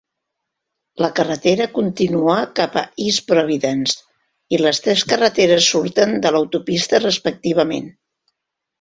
La carretera continua cap a East Providence i les tres carreteres surten de l'autopista respectivament.